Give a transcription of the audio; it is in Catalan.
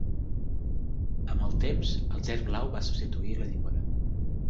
Amb el temps, el gerd blau va substituir la llimona.